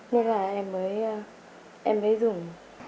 nên là em mới em mới dùng